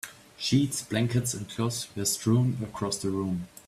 Sheets, blankets, and clothes were strewn across the room.